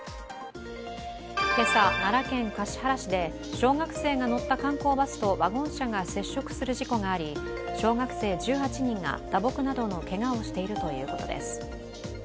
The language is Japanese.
今朝、奈良県橿原市で、小学生が乗った観光バスとワゴン車が接触する事故があり、小学生１８人が打撲などのけがをしているということです。